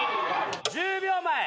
１０秒前。